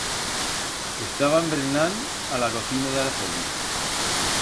Estaban brenand a la cocina d'Araceli.